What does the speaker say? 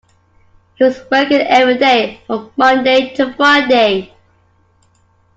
He was working every day from Monday to Friday